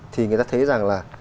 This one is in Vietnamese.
thì người ta thấy rằng là